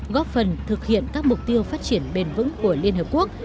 góp phần thực hiện các mục tiêu phát triển bền vững của liên hợp quốc